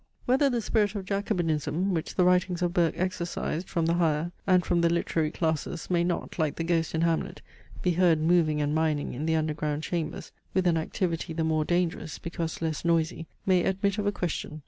Whether the spirit of jacobinism, which the writings of Burke exorcised from the higher and from the literary classes, may not, like the ghost in Hamlet, be heard moving and mining in the underground chambers with an activity the more dangerous because less noisy, may admit of a question.